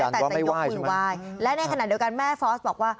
แต่จะยกมือไหว้และในขณะเดียวกันแม่ฟอสบอกว่า